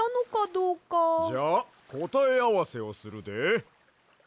じゃあこたえあわせをするで。